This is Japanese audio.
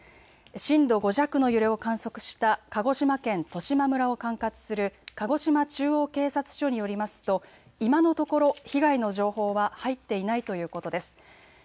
震度５弱の揺れを観測した鹿児島県十島村を管轄する鹿児島中央警察署によりますと今のところ被害の情報は入っていないということです。